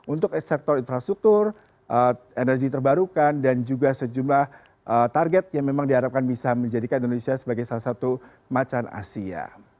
untuk sektor infrastruktur energi terbarukan dan juga sejumlah target yang memang diharapkan bisa menjadikan indonesia sebagai salah satu macan asia